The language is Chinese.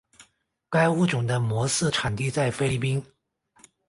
该物种的模式产地在菲律宾。